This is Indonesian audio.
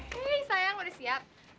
hei sayang udah siap